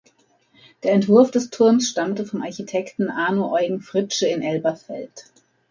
Der Entwurf des Turms stammte vom Architekten Arno Eugen Fritsche in Elberfeld.